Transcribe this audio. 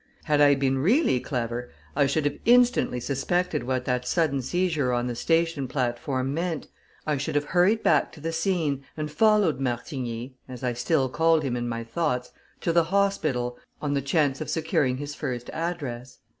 Had I been really clever, I should have instantly suspected what that sudden seizure on the station platform meant, I should have hurried back to the scene, and followed Martigny as I still called him in my thoughts to the hospital, on the chance of securing his first address.